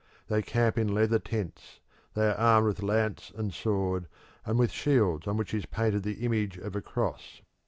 They camp in leather tents; they are armed with lance and sword, and with shields on which is painted the image of a cross.